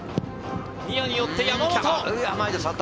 ニアによって山本。